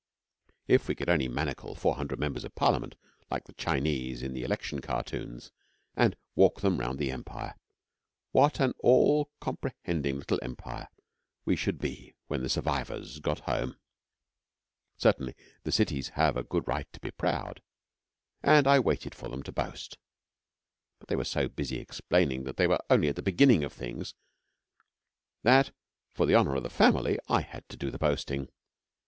If we could only manacle four hundred Members of Parliament, like the Chinese in the election cartoons, and walk them round the Empire, what an all comprehending little Empire we should be when the survivors got home! Certainly the Cities have good right to be proud, and I waited for them to boast; but they were so busy explaining they were only at the beginning of things that, for the honour of the Family, I had to do the boasting.